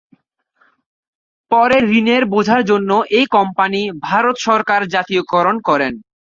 পরে ঋণের বোঝার জন্য এই কোম্পানী ভারত সরকার জাতীয়করণ করেন।